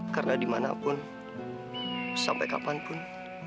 karena dimanapun sampai kapanpun